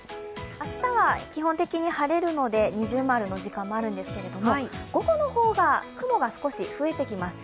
明日は基本的に晴れるので二重丸の時間もあるんですけど午後の方が雲が少し増えてきます。